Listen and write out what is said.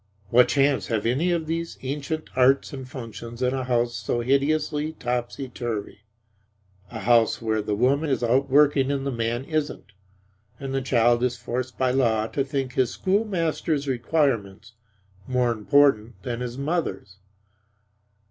What chance have any of these ancient arts and functions in a house so hideously topsy turvy; a house where the woman is out working and the man isn't; and the child is forced by law to think his schoolmaster's requirements more important than his mother's?